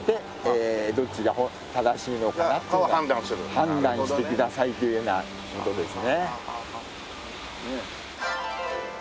判断してくださいというような事ですね。